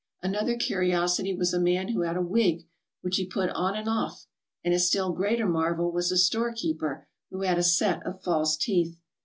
Another curiosity was a man who had a wig, which he put on and off, and a still greater marvel was a store keeper who had a set of false teeth.